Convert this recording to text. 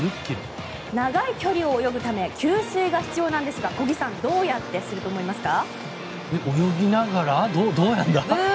長い距離泳ぐため給水が必要なんですが小木さん、どうやってすると思いますか？